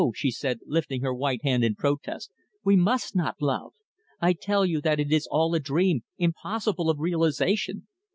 she said, lifting her white hand in protest. "We must not love. I tell you that it is all a dream impossible of realisation.